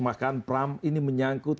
makan pram ini menyangkut